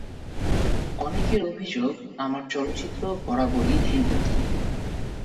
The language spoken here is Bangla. অনেকের অভিযোগ, আমার চলচ্চিত্র বরাবরই ধীরগতির।